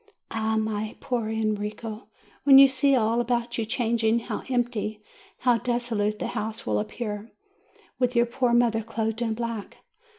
Ah, my poor Enrico, when you see all about you changing, how empty, how desolate the house will appear, with your poor mother clothed in black